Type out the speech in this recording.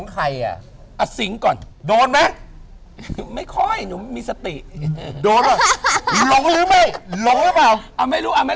หลงรึเปล่า